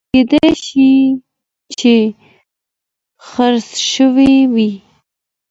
کېدای شي چې خرڅ شوي وي